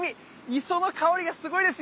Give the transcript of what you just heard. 磯の香りがすごいですよ。